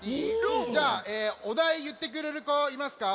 じゃあおだいいってくれるこいますか？